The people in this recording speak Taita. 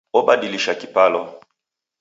Obadilisha kipalo